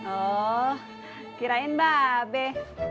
oh kirain mbak be